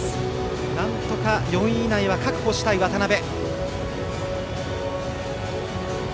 なんとか４位以内は確保したい渡部。